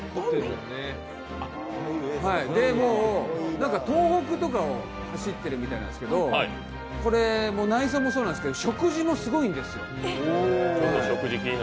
で、東北とかを走ってるみたいなんですけど内装もそうなんですけど食事もすごいんですよ。